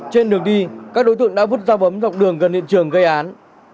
trên đường đi các đối tượng đã vứt dao bấm dọc đường gần hiện trường gây án